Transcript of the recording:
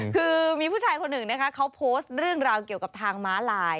คือมีผู้ชายคนหนึ่งนะคะเขาโพสต์เรื่องราวเกี่ยวกับทางม้าลาย